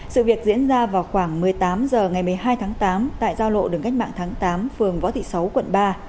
sự việc diễn ra vào khoảng một mươi tám h ngày một mươi hai tháng tám tại giao lộ đường cách mạng tháng tám phường võ thị sáu quận ba